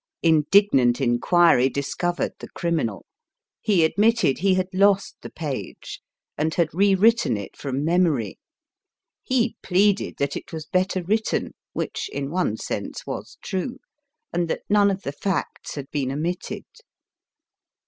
Indignant inquiry discovered the criminal he admitted he had lost the page, and had rewritten it from memory. He pleaded that it was better written (which in one sense was true), and that none of the facts had been omitted.